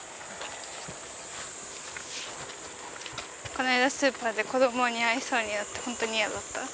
この間スーパーで子どもに会いそうになって本当に嫌だった。